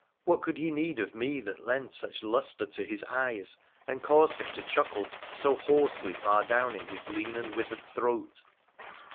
What could he need of me that lent such lustre to his eyes, and caused him to chuckle so hoarsely far down in his lean and withered throat